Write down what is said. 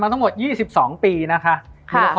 มันทำให้ชีวิตผู้มันไปไม่รอด